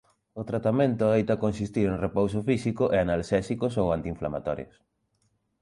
O tratamento adoita consistir en repouso físico e analxésicos ou antiinflamatorios.